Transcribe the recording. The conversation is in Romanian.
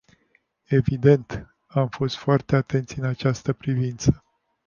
Evident, am fost foarte atenți în această privință.